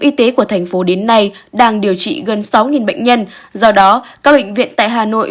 y tế của thành phố đến nay đang điều trị gần sáu bệnh nhân do đó các bệnh viện tại hà nội